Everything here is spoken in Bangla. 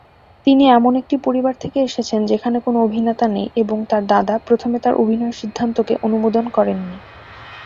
তিনি এমন একটি পরিবার থেকে এসেছেন যেখানে কোনও অভিনেতা নেই, এবং তার দাদা প্রথমে তার অভিনয়ের সিদ্ধান্তকে অনুমোদন করেননি।